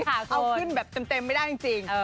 เอาขึ้นแบบเต็มไม่ได้จริง